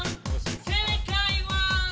「正解は」